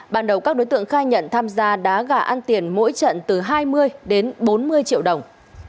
ban đầu các đối tượng khai nhận tham gia đá gà ăn tiền mỗi trận từ hai mươi đến bốn mươi triệu đồng